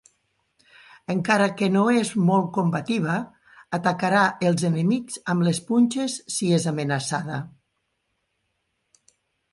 Encara que no és molt combativa, atacarà els enemics amb les punxes si és amenaçada.